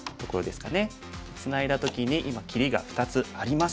ツナいだ時に今切りが２つあります。